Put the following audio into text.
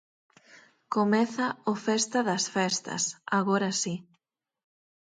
Comeza o festa das festas, agora si.